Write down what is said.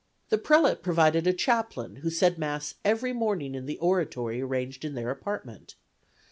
The prelate provided a chaplain, who said Mass every morning in the oratory arranged in their apartment.